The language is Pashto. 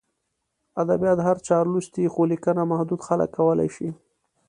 ادبیات هر چا لوستي، خو لیکنه محدود خلک کولای شي.